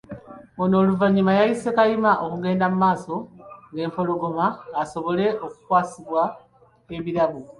Ono oluvannyuma ayise Kayima okugenda mu maaso g'Empologoma asobole okukwasibwa ebirabo.